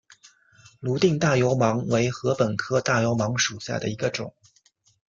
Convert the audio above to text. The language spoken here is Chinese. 泸定大油芒为禾本科大油芒属下的一个种。